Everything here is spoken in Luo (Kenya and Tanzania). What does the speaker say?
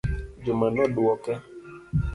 Juma nodwoke